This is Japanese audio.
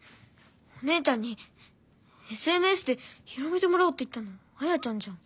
お姉ちゃんにＳＮＳで広めてもらおうって言ったのあやちゃんじゃん。